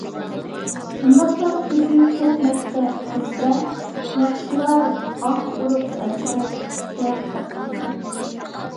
شۇنداقلار كۆپىيىپ كەتمەكتە بىزدە، ياخشىلار ئاھ ئۇرۇپ ھەسرەتكە پاتتى.